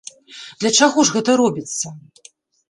Для чаго ж гэта робіцца?